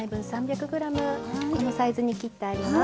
このサイズに切ってあります。